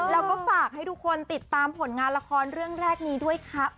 แล้วก็ฝากให้ทุกคนติดตามผลงานละครเรื่องแรกนี้ด้วยครับ